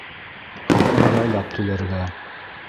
— Хаҡын яйлап түләргә.